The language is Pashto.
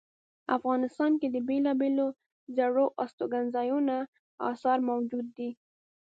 افغانستان کې د بیلابیلو زړو استوګنځایونو آثار موجود دي